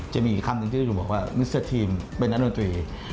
จะมีอีกคำหนึ่งที่หนูบอกว่ามิสเตอร์ทีมเป็นนักดนตรี